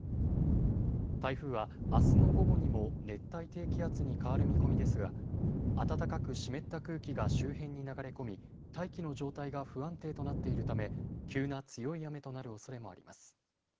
台風はあすの午後にも熱帯低気圧に変わる見込みですが暖かく湿った空気が周辺に流れ込み、大気の状態が不安定となっているため、急な強い雨となるおそれもあります。